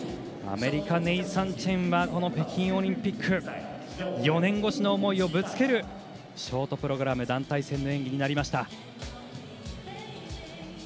アメリカ、ネイサン・チェンは北京オリンピック４年越しの思いをぶつけるショートプログラム団体戦の演技になりました。